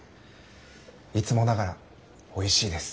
いつもながらおいしいです。